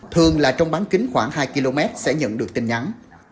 thường là trong bán kính khoảng hai km sẽ nhận được tin nhắn